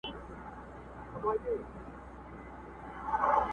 چي هر پردی راغلی دی زړه شینی دی وتلی٫